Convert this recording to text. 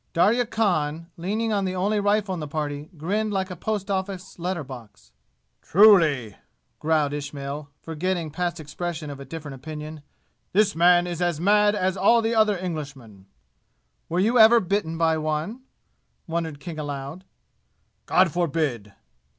Darya Khan, leaning on the only rifle in the party, grinned like a post office letter box. "Truly," growled Ismail, forgetting past expression of a different opinion, "this man is as mad as all the other Englishmen." "Were you ever bitten by one?" wondered King aloud. "God forbid!"